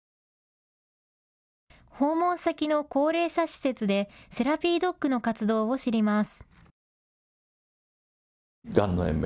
訪問先の高齢者施設でセラピードッグの活動を知ります。